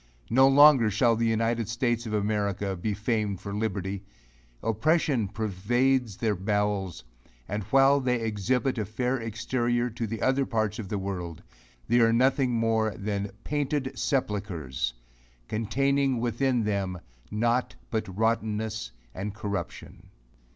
No longer shall the united states of America be famed for liberty. Oppression pervades their bowels; and while they exhibit a fair exterior to the other parts of the world, they are nothing more than "painted sepulchres," containing within them nought but rottenness and corruption.